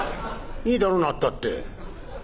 「いいだろう？なったって。